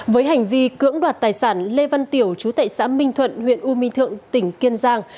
với hành vi cưỡng đoạt tài sản lê văn tiểu chú tệ xã minh thuận huyện u minh thượng tỉnh kiên giang